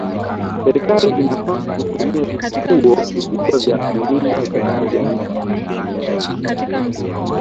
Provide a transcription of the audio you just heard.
serikali inapaswa kutumia vituo vikubwa vya runinga vya nje ya nchi